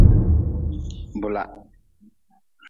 Bula.